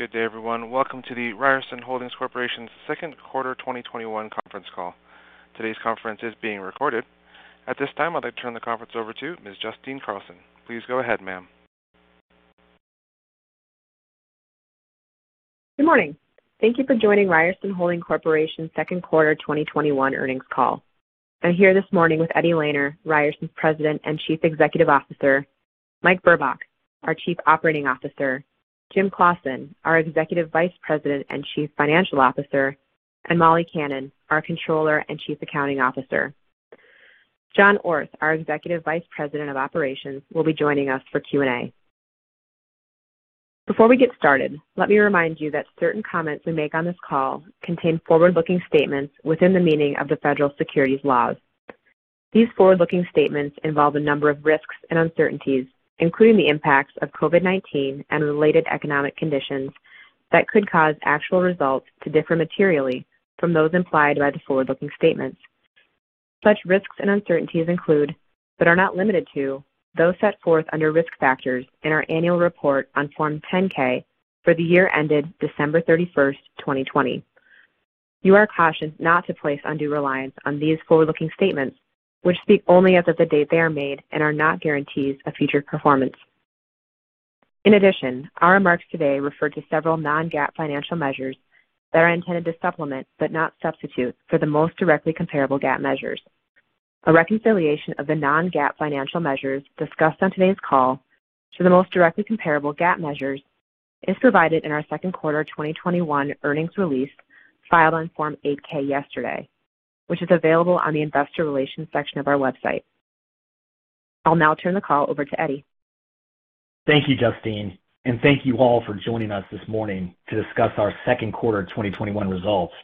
Good day, everyone. Welcome to the Ryerson Holding Corporation's second quarter 2021 conference call. Today's conference is being recorded. At this time, I'd like to turn the conference over to Ms. Justine Carlson. Please go ahead, ma'am. Good morning. Thank you for joining Ryerson Holding Corporation's Second Quarter 2021 Earnings Call. I'm here this morning with Eddie Lehner, Ryerson's President and Chief Executive Officer, Mike Burbach, our Chief Operating Officer, Jim Claussen, our Executive Vice President and Chief Financial Officer, and Molly Kannan, our Controller and Chief Accounting Officer. John Orth, our Executive Vice President of Operations, will be joining us for Q&A. Before we get started, let me remind you that certain comments we make on this call contain forward-looking statements within the meaning of the federal securities laws. These forward-looking statements involve a number of risks and uncertainties, including the impacts of COVID-19 and related economic conditions, that could cause actual results to differ materially from those implied by the forward-looking statements. Such risks and uncertainties include, but are not limited to, those set forth under risk factors in our annual report on Form 10-K for the year ended December 31st, 2020. You are cautioned not to place undue reliance on these forward-looking statements, which speak only as of the date they are made and are not guarantees of future performance. In addition, our remarks today refer to several non-GAAP financial measures that are intended to supplement, but not substitute, for the most directly comparable GAAP measures. A reconciliation of the non-GAAP financial measures discussed on today's call to the most directly comparable GAAP measures is provided in our second quarter 2021 earnings release, filed on Form 8-K yesterday, which is available on the investor relations section of our website. I'll now turn the call over to Eddie. Thank you, Justine, and thank you all for joining us this morning to discuss our second quarter 2021 results.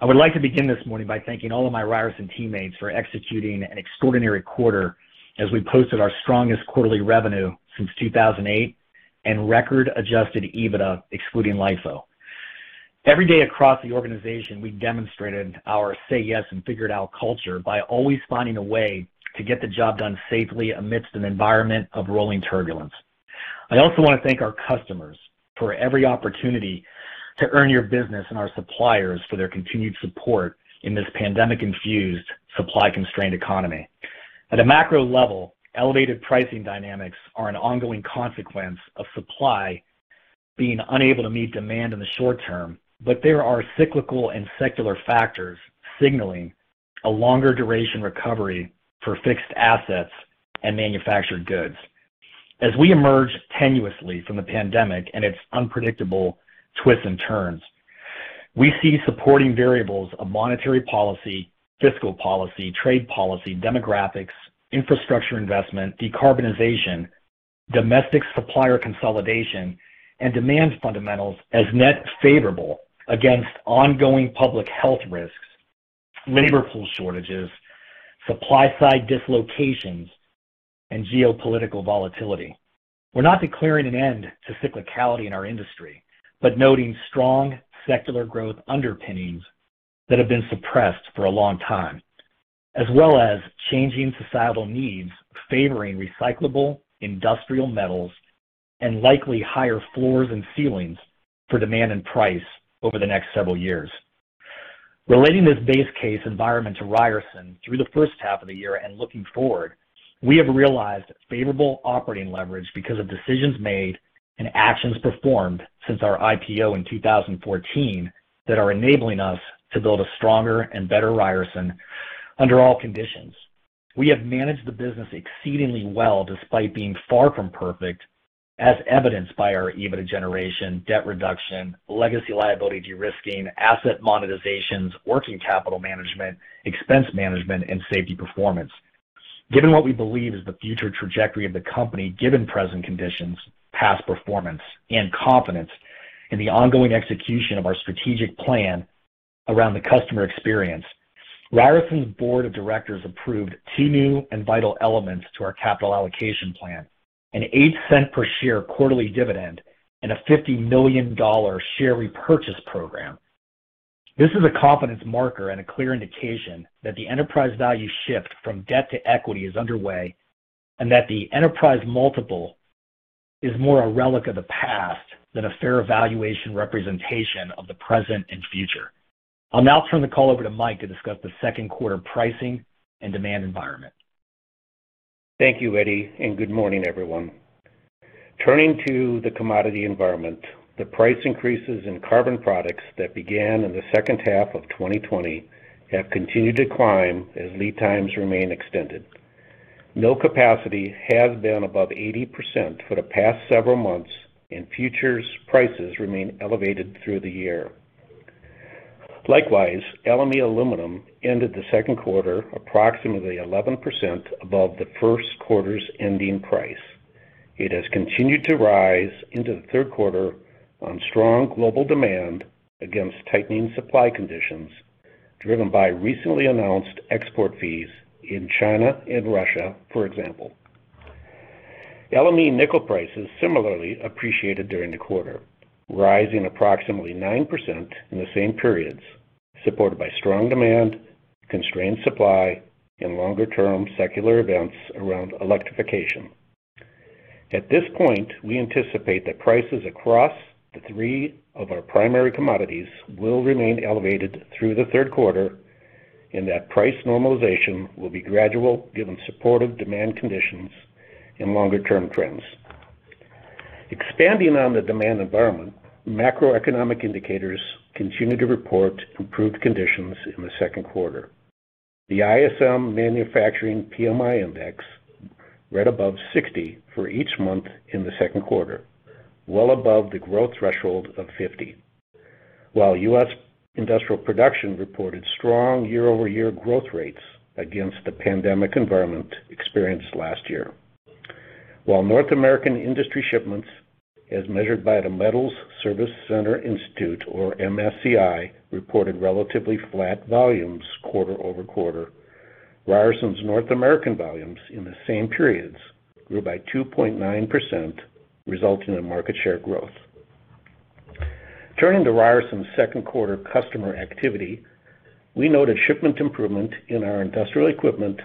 I would like to begin this morning by thanking all of my Ryerson teammates for executing an extraordinary quarter as we posted our strongest quarterly revenue since 2008 and record Adjusted EBITDA excluding LIFO. Every day across the organization, we demonstrated our say yes and figure it out culture by always finding a way to get the job done safely amidst an environment of rolling turbulence. I also want to thank our customers for every opportunity to earn your business and our suppliers for their continued support in this pandemic-infused, supply-constrained economy. At a macro level, elevated pricing dynamics are an ongoing consequence of supply being unable to meet demand in the short term, but there are cyclical and secular factors signaling a longer duration recovery for fixed assets and manufactured goods. As we emerge tenuously from the pandemic and its unpredictable twists and turns, we see supporting variables of monetary policy, fiscal policy, trade policy, demographics, infrastructure investment, decarbonization, domestic supplier consolidation, and demand fundamentals as net favorable against ongoing public health risks, labor pool shortages, supply side dislocations, and geopolitical volatility. We're not declaring an end to cyclicality in our industry, but noting strong secular growth underpinnings that have been suppressed for a long time, as well as changing societal needs favoring recyclable industrial metals and likely higher floors and ceilings for demand and price over the next several years. Relating this base case environment to Ryerson through the first half of the year and looking forward, we have realized favorable operating leverage because of decisions made and actions performed since our IPO in 2014 that are enabling us to build a stronger and better Ryerson under all conditions. We have managed the business exceedingly well, despite being far from perfect, as evidenced by our EBITDA generation, debt reduction, legacy liability de-risking, asset monetizations, working capital management, expense management, and safety performance. Given what we believe is the future trajectory of the company, given present conditions, past performance, and confidence in the ongoing execution of our strategic plan around the customer experience, Ryerson's board of directors approved two new and vital elements to our capital allocation plan, a $0.08 per share quarterly dividend and a $50 million share repurchase program. This is a confidence marker and a clear indication that the enterprise value shift from debt to equity is underway, and that the enterprise multiple is more a relic of the past than a fair valuation representation of the present and future. I'll now turn the call over to Mike to discuss the second quarter pricing and demand environment. Thank you, Eddie. Good morning, everyone. Turning to the commodity environment, the price increases in carbon products that began in the second half of 2020 have continued to climb as lead times remain extended. Mill capacity has been above 80% for the past several months. Futures prices remain elevated through the year. Likewise, LME aluminum ended the second quarter approximately 11% above the first quarter's ending price. It has continued to rise into the third quarter on strong global demand against tightening supply conditions, driven by recently announced export fees in China and Russia, for example. LME nickel prices similarly appreciated during the quarter, rising approximately 9% in the same periods, supported by strong demand, constrained supply, and longer-term secular events around electrification. At this point, we anticipate that prices across the three of our primary commodities will remain elevated through the third quarter, and that price normalization will be gradual given supportive demand conditions and longer-term trends. Expanding on the demand environment, macroeconomic indicators continue to report improved conditions in the second quarter. The ISM Manufacturing PMI index read above 60 for each month in the second quarter, well above the growth threshold of 50, while U.S. industrial production reported strong year-over-year growth rates against the pandemic environment experienced last year. While North American industry shipments, as measured by the Metals Service Center Institute, or MSCI, reported relatively flat volumes quarter-over-quarter, Ryerson's North American volumes in the same periods grew by 2.9%, resulting in market share growth. Turning to Ryerson's second quarter customer activity, we noted shipment improvement in our industrial equipment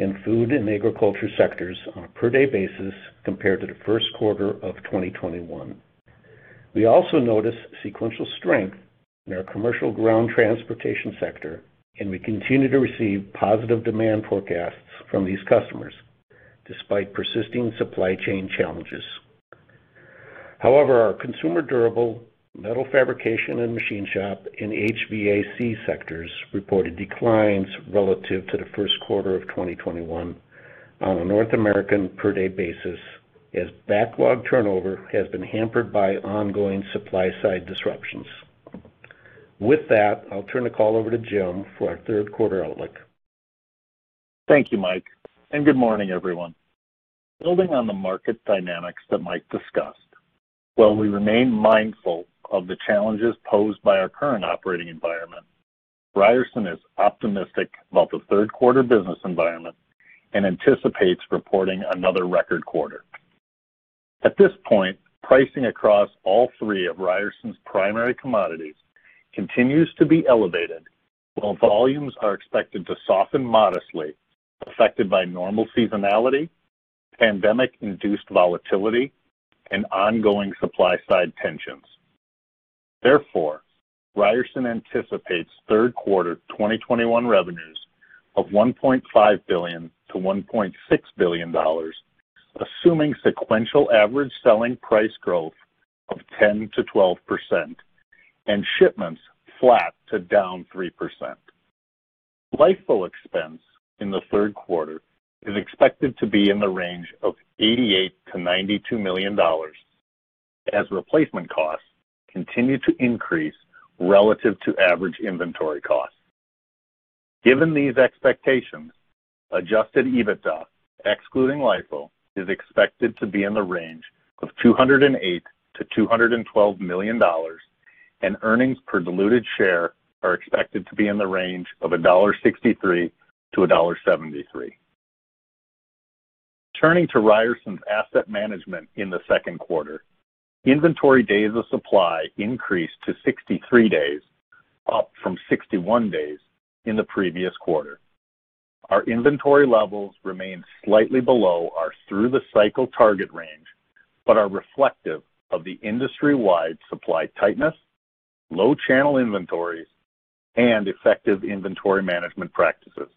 and food and agriculture sectors on a per-day basis compared to the first quarter of 2021. We also noticed sequential strength in our commercial ground transportation sector, and we continue to receive positive demand forecasts from these customers, despite persisting supply chain challenges. However, our consumer durable metal fabrication and machine shop in HVAC sectors reported declines relative to the first quarter of 2021 on a North American per-day basis, as backlog turnover has been hampered by ongoing supply-side disruptions. With that, I'll turn the call over to Jim for our third quarter outlook. Thank you, Mike, and good morning, everyone. Building on the market dynamics that Mike discussed, while we remain mindful of the challenges posed by our current operating environment, Ryerson is optimistic about the third quarter business environment and anticipates reporting another record quarter. At this point, pricing across all three of Ryerson's primary commodities continues to be elevated, while volumes are expected to soften modestly, affected by normal seasonality, pandemic-induced volatility, and ongoing supply-side tensions. Therefore, Ryerson anticipates third quarter 2021 revenues of $1.5 to 1.6 billion, assuming sequential average selling price growth of 10%-12% and shipments flat to down 3%. LIFO expense in the third quarter is expected to be in the range of $88 to 92 million, as replacement costs continue to increase relative to average inventory costs. Given these expectations, Adjusted EBITDA, excluding LIFO, is expected to be in the range of $208 to 212 million, and earnings per diluted share are expected to be in the range of $1.63-$1.73. Turning to Ryerson's asset management in the second quarter, inventory days of supply increased to 63 days, up from 61 days in the previous quarter. Our inventory levels remain slightly below our through-the-cycle target range, but are reflective of the industry-wide supply tightness, low channel inventories, and effective inventory management practices.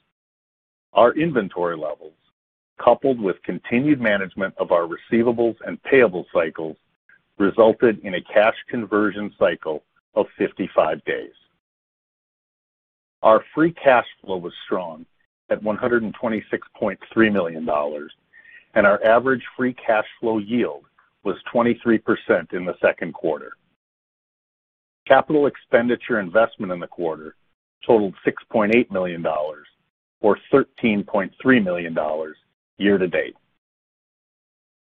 Our inventory levels, coupled with continued management of our receivables and payables cycles, resulted in a cash conversion cycle of 55 days. Our free cash flow was strong at $126.3 million, and our average free cash flow yield was 23% in the second quarter. Capital expenditure investment in the quarter totaled $6.8 million, or $13.3 million year-to-date.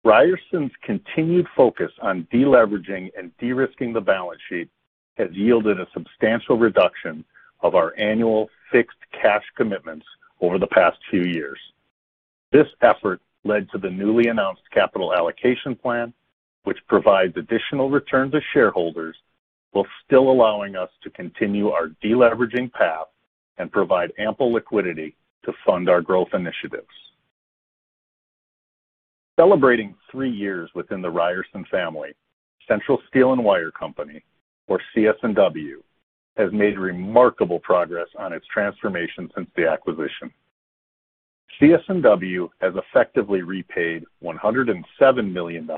Ryerson's continued focus on de-leveraging and de-risking the balance sheet has yielded a substantial reduction of our annual fixed cash commitments over the past few years. This effort led to the newly announced capital allocation plan, which provides additional return to shareholders while still allowing us to continue our de-leveraging path and provide ample liquidity to fund our growth initiatives. Celebrating three years within the Ryerson family, Central Steel & Wire Company, or CS&W, has made remarkable progress on its transformation since the acquisition. CS&W has effectively repaid $107 million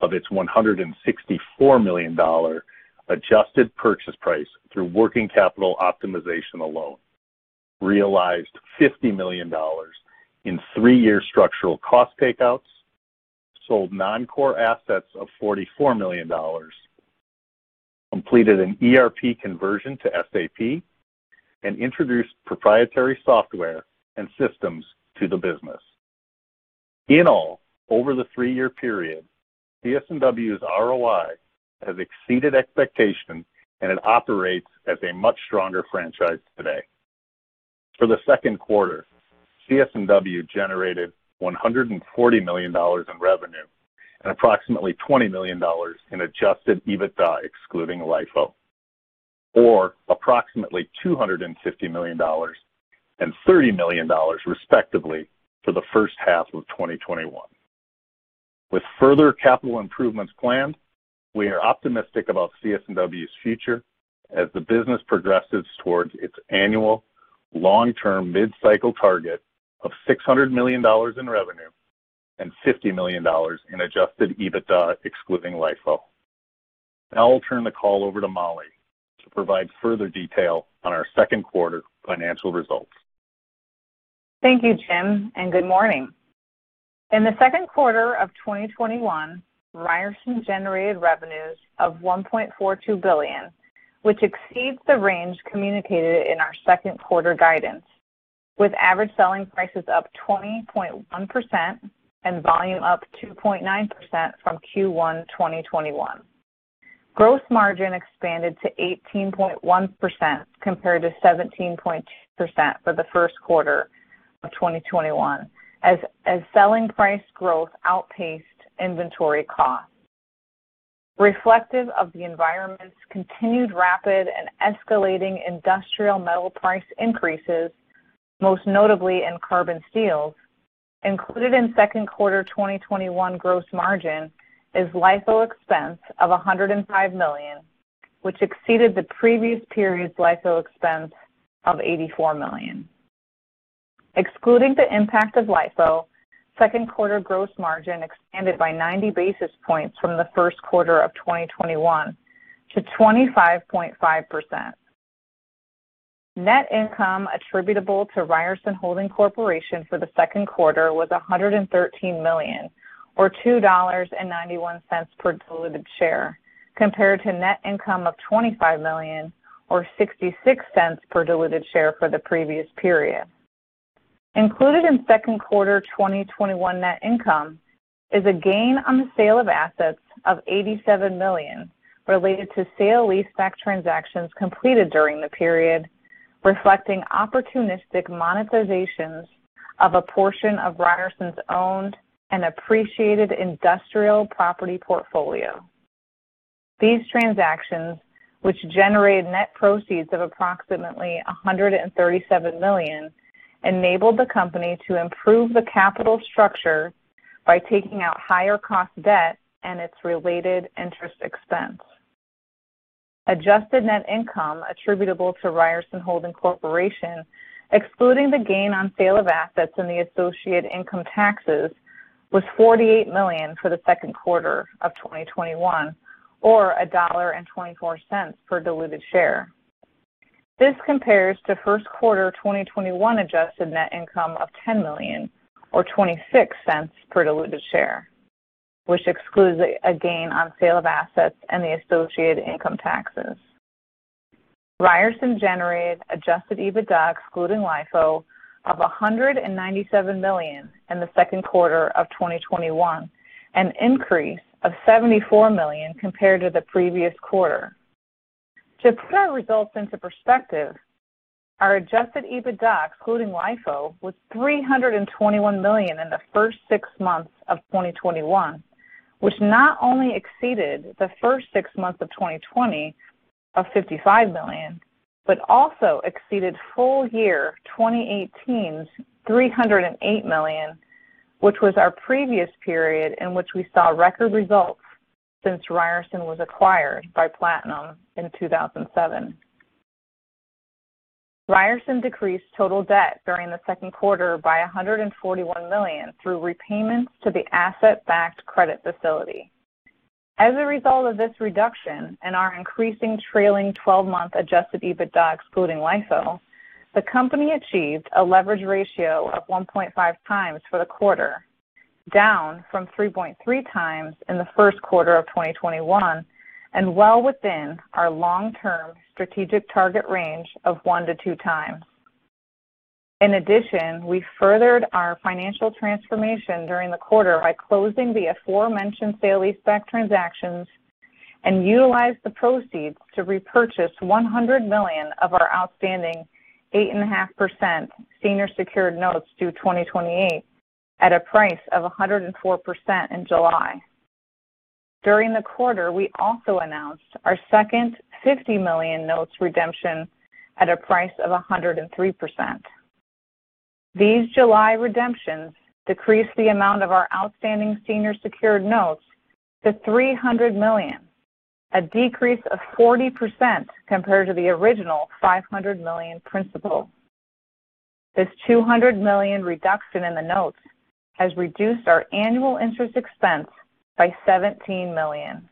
of its $164 million adjusted purchase price through working capital optimization alone, realized $50 million in three-year structural cost take outs, sold non-core assets of $44 million, completed an ERP conversion to SAP, and introduced proprietary software and systems to the business. In all, over the three-year period, CS&W's ROI has exceeded expectations and it operates as a much stronger franchise today. For the second quarter, CS&W generated $140 million in revenue and approximately $20 million in Adjusted EBITDA excluding LIFO, or approximately $250 million and $30 million respectively for the first half of 2021. With further capital improvements planned, we are optimistic about CS&W's future as the business progresses towards its annual long-term mid-cycle target of $600 million in revenue and $50 million in Adjusted EBITDA excluding LIFO. Now I'll turn the call over to Molly to provide further detail on our second quarter financial results. Thank you, Jim, and good morning. In the second quarter of 2021, Ryerson generated revenues of $1.42 billion, which exceeds the range communicated in our second quarter guidance, with average selling prices up 20.1% and volume up 2.9% from Q1 2021. Gross margin expanded to 18.1% compared to 17.2% for the first quarter of 2021, as selling price growth outpaced inventory costs. Reflective of the environment's continued rapid and escalating industrial metal price increases, most notably in carbon steels, included in second quarter 2021 gross margin, is LIFO expense of $105 million, which exceeded the previous period's LIFO expense of $84 million. Excluding the impact of LIFO, second quarter gross margin expanded by 90 basis points from the first quarter of 2021 to 25.5%. Net income attributable to Ryerson Holding Corporation for the second quarter was $113 million, or $2.91 per diluted share, compared to net income of $25 million or $0.66 per diluted share for the previous period. Included in second quarter 2021 net income is a gain on the sale of assets of $87 million related to sale leaseback transactions completed during the period, reflecting opportunistic monetizations of a portion of Ryerson's owned and appreciated industrial property portfolio. These transactions, which generated net proceeds of approximately $137 million, enabled the company to improve the capital structure by taking out higher cost debt and its related interest expense. Adjusted net income attributable to Ryerson Holding Corporation, excluding the gain on sale of assets and the associated income taxes, was $48 million for the second quarter of 2021, or $1.24 per diluted share. This compares to first quarter 2021 adjusted net income of $10 million or $0.26 per diluted share, which excludes a gain on sale of assets and the associated income taxes. Ryerson generated Adjusted EBITDA excluding LIFO of $197 million in the second quarter of 2021, an increase of $74 million compared to the previous quarter. To put our results into perspective, our Adjusted EBITDA excluding LIFO was $321 million in the first six months of 2021, which not only exceeded the first six months of 2020 of $55 million, but also exceeded full year 2018's $308 million, which was our previous period in which we saw record results since Ryerson was acquired by Platinum in 2007. Ryerson decreased total debt during the second quarter by $141 million through repayments to the asset-backed credit facility. As a result of this reduction and our increasing trailing 12-month Adjusted EBITDA excluding LIFO, the company achieved a leverage ratio of 1.5x for the quarter, down from 3.3x in the first quarter of 2021, and well within our long-term strategic target range of 1x-2x. In addition, we furthered our financial transformation during the quarter by closing the aforementioned sale leaseback transactions and utilized the proceeds to repurchase $100 million of our outstanding 8.5% senior secured notes due 2028 at a price of 104% in July. During the quarter, we also announced our second $50 million notes redemption at a price of 103%. These July redemptions decreased the amount of our outstanding senior secured notes to $300 million, a decrease of 40% compared to the original $500 million principal. This $200 million reduction in the notes has reduced our annual interest expense by $17 million.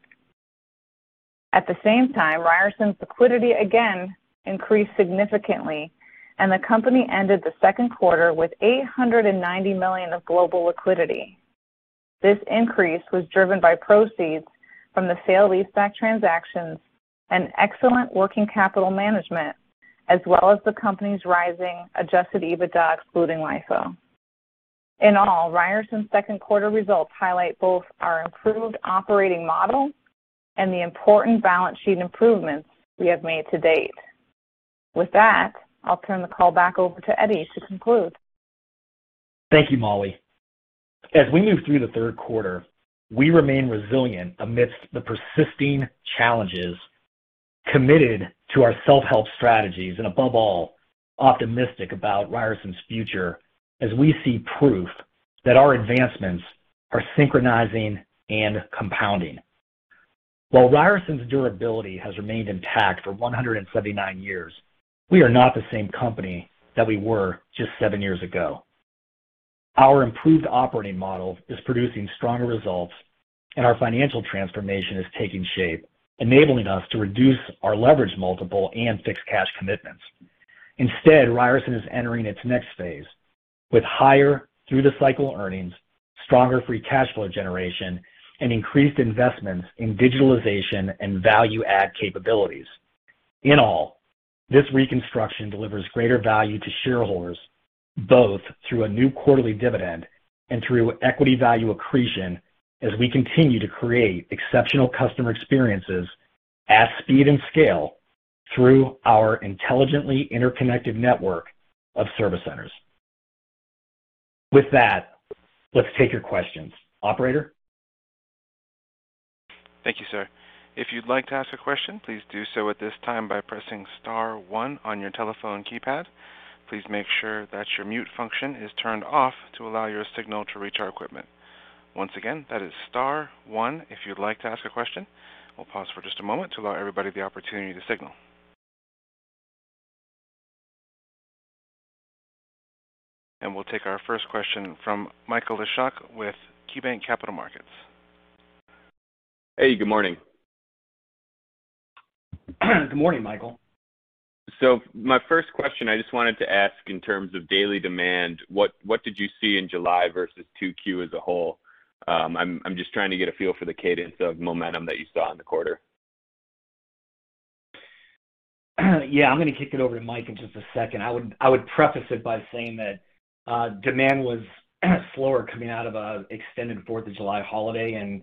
At the same time, Ryerson's liquidity again increased significantly, and the company ended the second quarter with $890 million of global liquidity. This increase was driven by proceeds from the sale leaseback transactions and excellent working capital management, as well as the company's rising Adjusted EBITDA excluding LIFO. In all, Ryerson's second quarter results highlight both our improved operating model and the important balance sheet improvements we have made to date. With that, I'll turn the call back over to Eddie to conclude. Thank you, Molly. As we move through the third quarter, we remain resilient amidst the persisting challenges, committed to our self-help strategies, and above all, optimistic about Ryerson's future as we see proof that our advancements are synchronizing and compounding. While Ryerson's durability has remained intact for 179 years, we are not the same company that we were just seven years ago. Our improved operating model is producing stronger results, and our financial transformation is taking shape, enabling us to reduce our leverage multiple and fixed cash commitments. Instead, Ryerson is entering its next phase with higher through-the-cycle earnings, stronger free cash flow generation, and increased investments in digitalization and value-add capabilities. In all, this reconstruction delivers greater value to shareholders, both through a new quarterly dividend and through equity value accretion, as we continue to create exceptional customer experiences at speed and scale through our intelligently interconnected network of service centers. With that, let's take your questions. Operator? Thank you, sir. If you'd like to ask a question, please do so at this time by pressing star one on your telephone keypad. Please make sure that your mute function is turned off to allow your signal to reach our equipment. Once again, that is star one if you'd like to ask a question. We'll pause for just a moment to allow everybody the opportunity to signal. We'll take our first question from Michael Leshock with KeyBanc Capital Markets. Hey, good morning. Good morning, Michael. My first question, I just wanted to ask in terms of daily demand, what did you see in July versus 2Q as a whole? I'm just trying to get a feel for the cadence of momentum that you saw in the quarter. Yeah, I'm going to kick it over to Mike in just a second. I would preface it by saying that demand was slower coming out of an extended 4th July holiday, and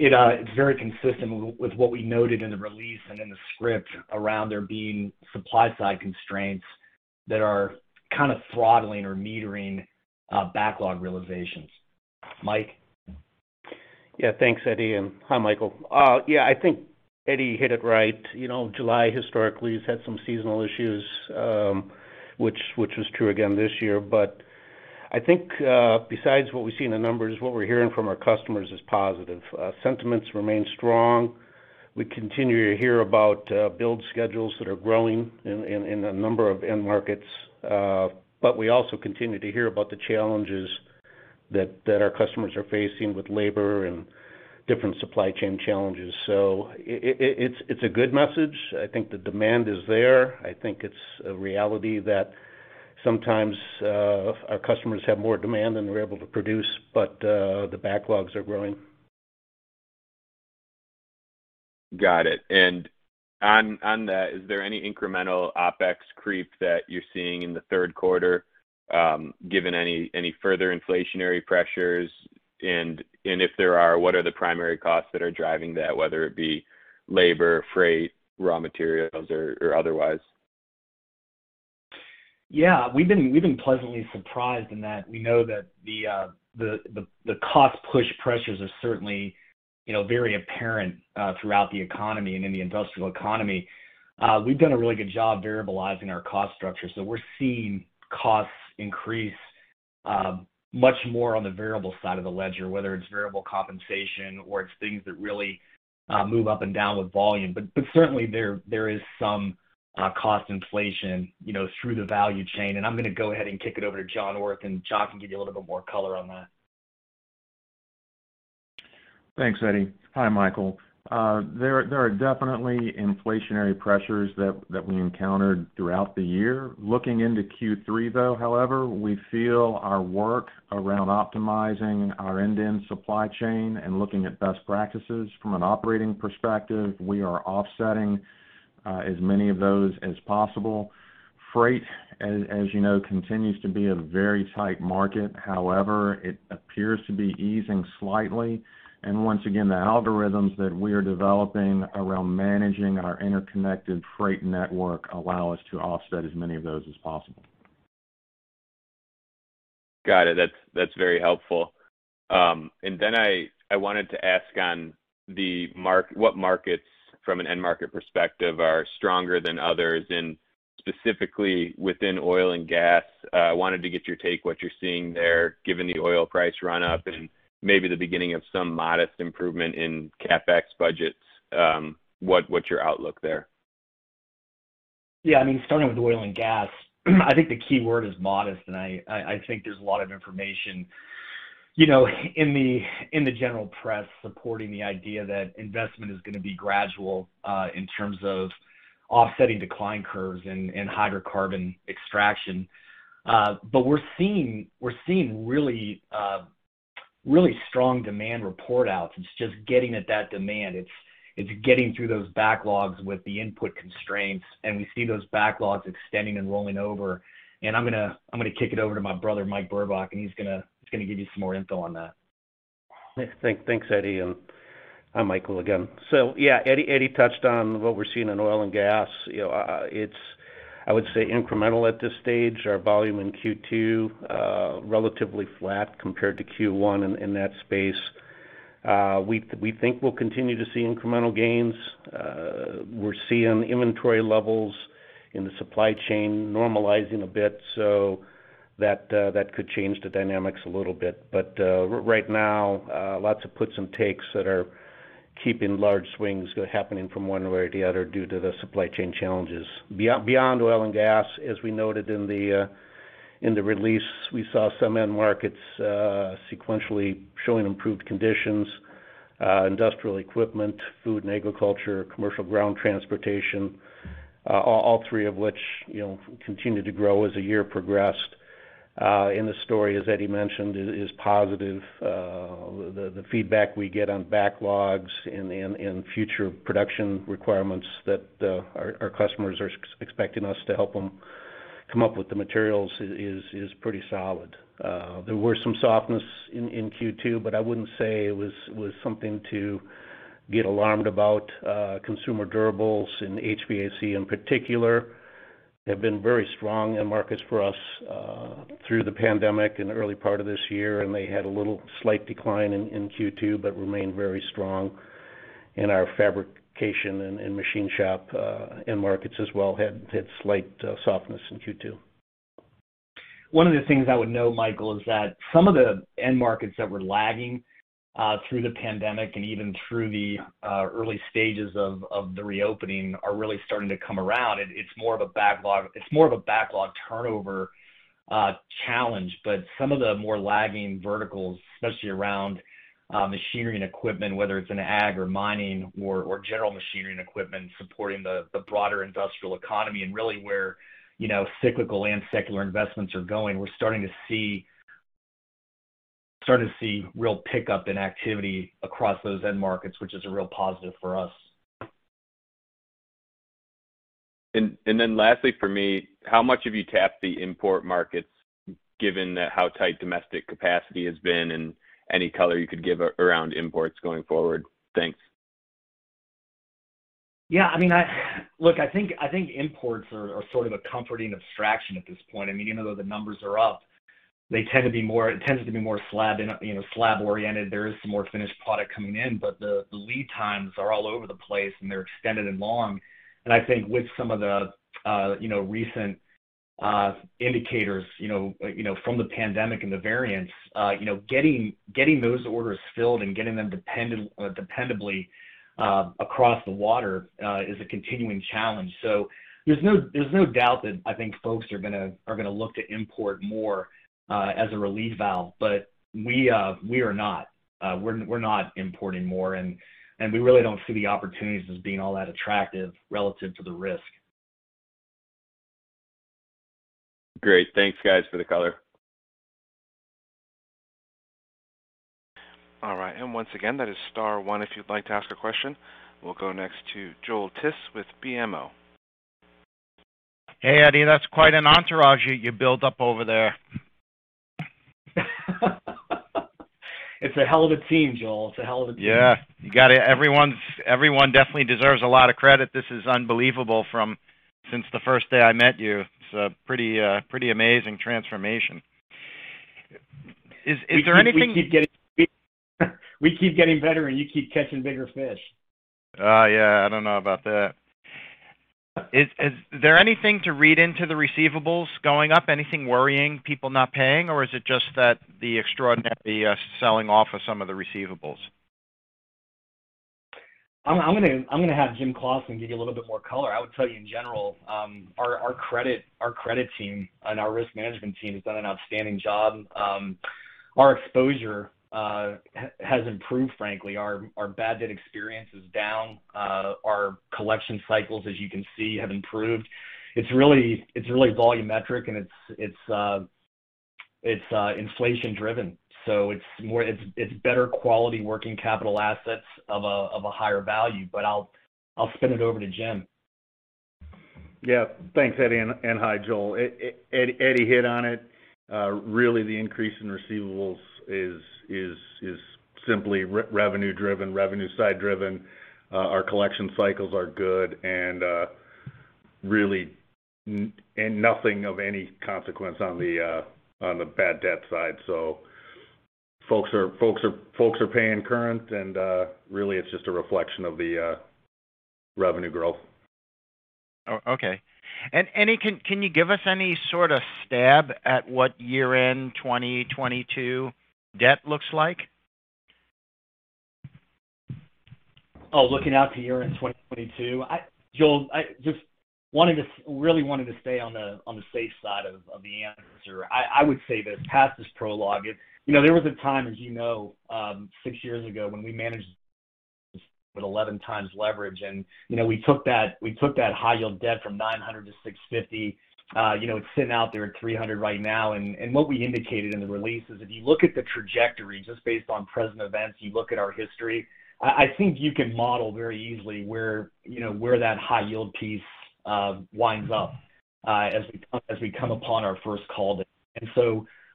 it's very consistent with what we noted in the release and in the script around there being supply-side constraints that are kind of throttling or metering backlog realizations. Mike? Thanks, Eddie, and hi, Michael. I think Eddie hit it right. July historically has had some seasonal issues, which was true again this year. I think, besides what we see in the numbers, what we're hearing from our customers is positive. Sentiments remain strong. We continue to hear about build schedules that are growing in a number of end markets. We also continue to hear about the challenges that our customers are facing with labor and different supply chain challenges. It's a good message. I think the demand is there. I think it's a reality that sometimes our customers have more demand than we're able to produce, but the backlogs are growing. Got it. On that, is there any incremental OpEx creep that you're seeing in the third quarter, given any further inflationary pressures? If there are, what are the primary costs that are driving that, whether it be labor, freight, raw materials or otherwise? Yeah. We've been pleasantly surprised in that we know that the cost push pressures are certainly very apparent throughout the economy and in the industrial economy. We've done a really good job variable-izing our cost structure. We're seeing costs increase much more on the variable side of the ledger, whether it's variable compensation or it's things that really move up and down with volume. Certainly, there is some cost inflation through the value chain, and I'm going to go ahead and kick it over to John Orth, and John can give you a little bit more color on that. Thanks, Eddie. Hi, Michael. There are definitely inflationary pressures that we encountered throughout the year. Looking into Q3, though, we feel our work around optimizing our end-to-end supply chain and looking at best practices from an operating perspective, we are offsetting as many of those as possible. Freight, as you know, continues to be a very tight market. It appears to be easing slightly, and once again, the algorithms that we are developing around managing our interconnected freight network allow us to offset as many of those as possible. Got it. That's very helpful. I wanted to ask on what markets from an end market perspective are stronger than others, and specifically within oil and gas. I wanted to get your take, what you're seeing there, given the oil price run-up and maybe the beginning of some modest improvement in CapEx budgets. What's your outlook there? Yeah. Starting with oil and gas, I think the key word is modest. I think there's a lot of information in the general press supporting the idea that investment is going to be gradual in terms of offsetting decline curves and hydrocarbon extraction. We're seeing really really strong demand report outs. It's just getting at that demand. It's getting through those backlogs with the input constraints. We see those backlogs extending and rolling over. I'm going to kick it over to my brother, Mike Burbach, and he's going to give you some more info on that. Thanks, Eddie, and hi Michael, again. Yeah, Eddie touched on what we're seeing in oil and gas. It's, I would say, incremental at this stage. Our volume in Q2, relatively flat compared to Q1 in that space. We think we'll continue to see incremental gains. We're seeing inventory levels in the supply chain normalizing a bit, so that could change the dynamics a little bit. Right now, lots of puts and takes that are keeping large swings happening from one way or the other due to the supply chain challenges. Beyond oil and gas, as we noted in the release, we saw some end markets sequentially showing improved conditions. Industrial equipment, food and agriculture, commercial ground transportation, all three of which continued to grow as the year progressed. In the story, as Eddie mentioned, it is positive. The feedback we get on backlogs and future production requirements that our customers are expecting us to help them come up with the materials is pretty solid. There were some softness in Q2, but I wouldn't say it was something to get alarmed about. Consumer durables in HVAC in particular have been very strong end markets for us through the pandemic and early part of this year, and they had a little slight decline in Q2, but remained very strong. Our fabrication and machine shop end markets as well had slight softness in Q2. One of the things I would note, Michael, is that some of the end markets that were lagging through the pandemic and even through the early stages of the reopening are really starting to come around. It's more of a backlog turnover challenge, but some of the more lagging verticals, especially around machinery and equipment, whether it's in ag or mining or general machinery and equipment supporting the broader industrial economy and really where cyclical and secular investments are going. We're starting to see real pickup in activity across those end markets, which is a real positive for us. Lastly for me, how much have you tapped the import markets, given how tight domestic capacity has been, and any color you could give around imports going forward? Thanks. Yeah. Look, I think imports are sort of a comforting abstraction at this point. Even though the numbers are up, it tends to be more slab-oriented. There is some more finished product coming in, but the lead times are all over the place, and they're extended and long. I think with some of the recent indicators from the pandemic and the variants, getting those orders filled and getting them dependably across the water is a continuing challenge. There's no doubt that I think folks are going to look to import more as a relief valve, but we are not. We're not importing more, and we really don't see the opportunities as being all that attractive relative to the risk. Great. Thanks, guys, for the color. All right. Once again, that is star one if you'd like to ask a question. We'll go next to Joel Tiss with BMO. Hey, Eddie, that's quite an entourage you built up over there. It's a hell of a team, Joel. It's a hell of a team. Yeah. Everyone definitely deserves a lot of credit. This is unbelievable from since the first day I met you. It's a pretty amazing transformation. We keep getting better, and you keep catching bigger fish. Oh, yeah. I don't know about that. Is there anything to read into the receivables going up, anything worrying people not paying, or is it just that the extraordinary selling off of some of the receivables? I'm going to have Jim Claussen give you a little bit more color. I would tell you in general, our credit team and our risk management team has done an outstanding job. Our exposure has improved, frankly. Our bad debt experience is down. Our collection cycles, as you can see, have improved. It's really volumetric, and it's inflation-driven. It's better quality working capital assets of a higher value. I'll spin it over to Jim. Yeah. Thanks, Eddie, and hi, Joel. Eddie hit on it. Really, the increase in receivables is simply revenue-driven, revenue side driven. Our collection cycles are good, and nothing of any consequence on the bad debt side. Folks are paying current and really it's just a reflection of the revenue growth. Okay. Can you give us any sort of stab at what year-end 2022 debt looks like? Oh, looking out to year-end 2022? Joel, I just really wanted to stay on the safe side of the answer. I would say that past is prologue. There was a time, as you know, six years ago when we managed with 11 times leverage. We took that high yield debt from $900 to $650. It's sitting out there at $300 right now. What we indicated in the release is if you look at the trajectory just based on present events, you look at our history, I think you can model very easily where that high yield piece winds up as we come upon our first call date.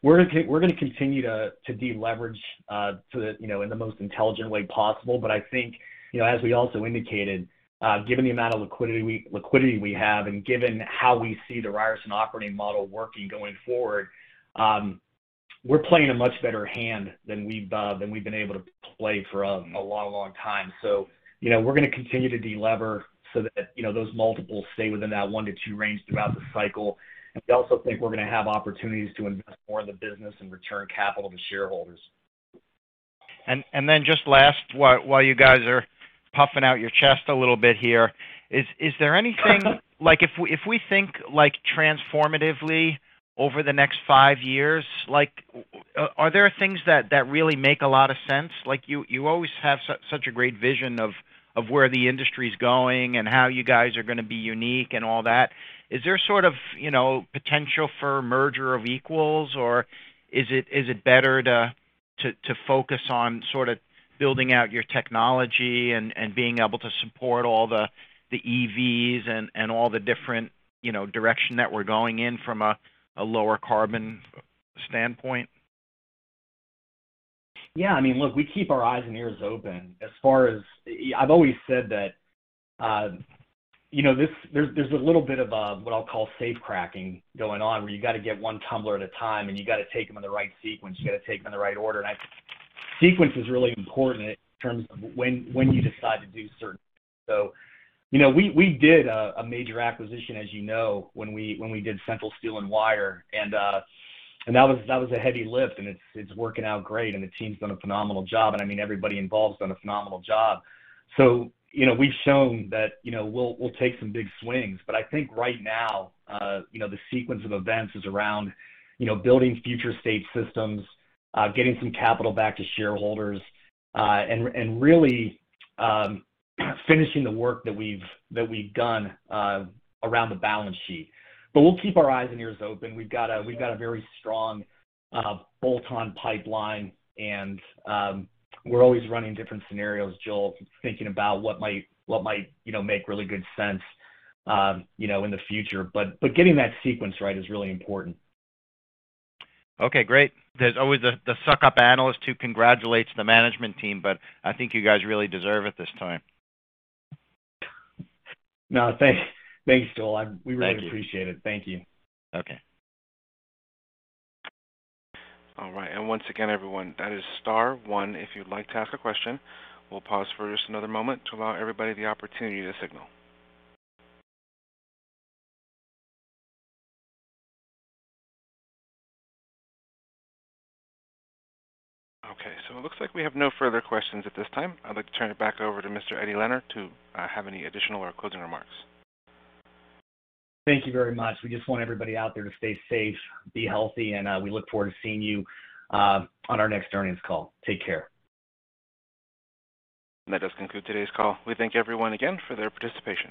We're going to continue to deleverage in the most intelligent way possible. I think, as we also indicated, given the amount of liquidity we have and given how we see the Ryerson operating model working going forward, we're playing a much better hand than we've been able to play for a long time. We're going to continue to de-lever so that those multiples stay within that one to two range throughout the cycle. We also think we're going to have opportunities to invest more in the business and return capital to shareholders. Then just last, while you guys are puffing out your chest a little bit here, is there anything, if we think transformatively over the next five years, are there things that really make a lot of sense? You always have such a great vision of where the industry's going and how you guys are going to be unique and all that. Is there sort of potential for a merger of equals, or is it better to focus on sort of building out your technology and being able to support all the EVs and all the different direction that we're going in from a lower carbon standpoint? Yeah, look, we keep our eyes and ears open as far as I've always said that there's a little bit of what I'll call safe cracking going on, where you got to get one tumbler at a time and you got to take them in the right sequence. You got to take them in the right order. Sequence is really important in terms of when you decide to do certain things. We did a major acquisition, as you know, when we did Central Steel & Wire. That was a heavy lift and it's working out great and the team's done a phenomenal job. Everybody involved's done a phenomenal job. We've shown that we'll take some big swings. I think right now, the sequence of events is around building future state systems, getting some capital back to shareholders, and really finishing the work that we've done around the balance sheet. We'll keep our eyes and ears open. We've got a very strong bolt-on pipeline, and we're always running different scenarios, Joel, thinking about what might make really good sense in the future. Getting that sequence right is really important. Okay, great. There's always the suck-up analyst who congratulates the management team, but I think you guys really deserve it this time. No, thanks. Thanks, Joel. Thank you. We really appreciate it. Thank you. Okay. All right. Once again, everyone, that is star one if you'd like to ask a question. We'll pause for just another moment to allow everybody the opportunity to signal. It looks like we have no further questions at this time. I'd like to turn it back over to Mr. Eddie Lehner to have any additional or closing remarks. Thank you very much. We just want everybody out there to stay safe, be healthy, and we look forward to seeing you on our next earnings call. Take care. That does conclude today's call. We thank everyone again for their participation.